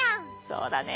そうだね。